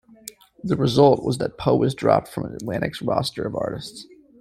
The result was that Poe was dropped from Atlantic's roster of artists.